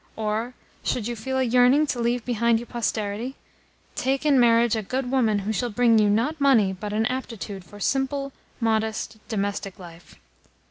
Or, should you feel a yearning to leave behind you posterity, take in marriage a good woman who shall bring you, not money, but an aptitude for simple, modest domestic life.